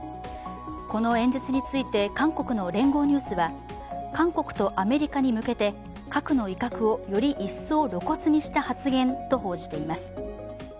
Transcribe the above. この演説について、韓国の聯合ニュースは韓国とアメリカに向けて核の威嚇をより一層露骨にした発言と報じています。